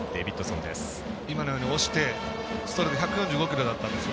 今のように押してストレート１４５キロだったんですよ。